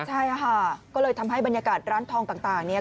ใช่ค่ะก็เลยทำให้บรรยากาศร้านทองต่างเนี่ย